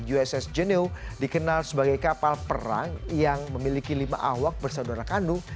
uss genew dikenal sebagai kapal perang yang memiliki lima awak bersaudara kandung